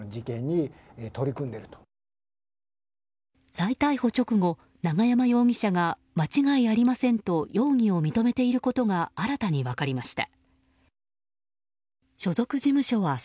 再逮捕直後、永山容疑者が間違いありませんと容疑を認めていることが新たに分かりました。